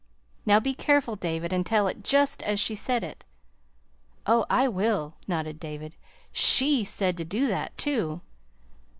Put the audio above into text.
"Now, be careful, David, and tell it just as she said it." "Oh, I will," nodded David. "SHE said to do that, too."